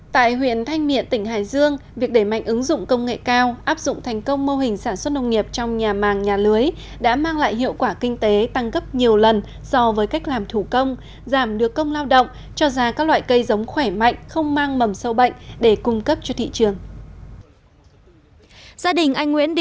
tại huyện thanh miện tỉnh hải dương việc đẩy mạnh ứng dụng công nghệ cao áp dụng thành công mô hình sản xuất nông nghiệp trong nhà màng nhà lưới đã mang lại hiệu quả kinh tế tăng gấp nhiều lần so với cách làm thủ công giảm được công lao động cho ra các loại cây giống khỏe mạnh không mang mầm sâu bệnh để cung cấp cho thị trường